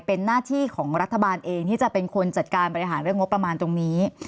เป็นหน้าที่ของรัฐบาลเองที่จะเป็นคนจัดการบริหารเรื่องงบประมาณตรงนี้